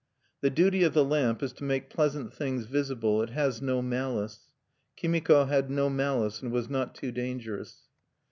The duty of the lamp is to make pleasant things visible: it has no malice. Kimiko had no malice, and was not too dangerous.